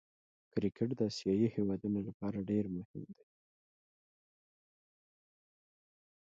کرکټ د آسيايي هېوادو له پاره ډېر مهم دئ.